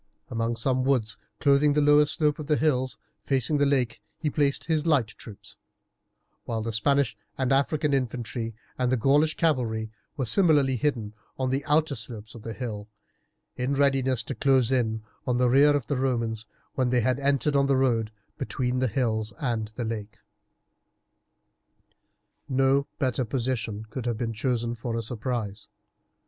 Among some woods clothing the lower slope of the hills facing the lake he placed his light troops, while the Spanish and African infantry and the Gaulish cavalry were similarly hidden on the outer slopes of the hill in readiness to close in on the rear of the Romans when they had entered on the road between the hills and the lake. No better position could have been chosen for a surprise.